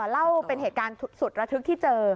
เล่าเป็นเหตุการณ์สุดระทึกที่เจอ